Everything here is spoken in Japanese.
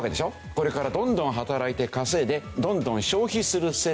これからどんどん働いて稼いでどんどん消費する世代。